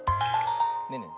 ねえねえ